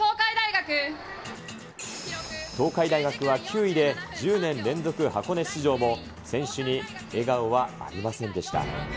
東海大学は９位で１０年連続箱根出場も、選手に笑顔はありませんでした。